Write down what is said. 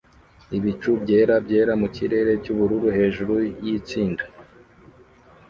Ibicu byera byera mu kirere cyubururu hejuru yitsinda